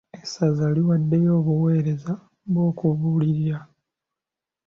Esazza liwadde obuweereza bw'okubuulirira eri emigogo egifumbiriganye.